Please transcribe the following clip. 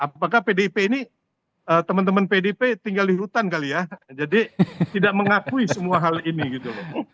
apakah pdip ini teman teman pdp tinggal di hutan kali ya jadi tidak mengakui semua hal ini gitu loh